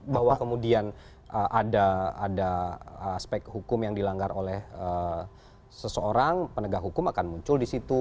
bahwa kemudian ada aspek hukum yang dilanggar oleh seseorang penegak hukum akan muncul di situ